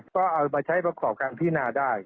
ก็เอามาใช้ประขอบความพินาธิ์ได้